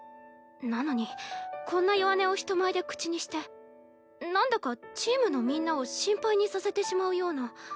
なのにこんな弱音を人前で口にしてなんだかチームのみんなを心配にさせてしまうような。